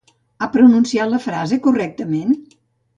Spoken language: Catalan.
Ha pronunciat la frase correctament?